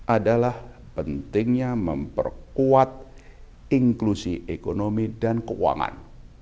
adalah pentingnya memperkuat inklusi ekonomi dan keuangan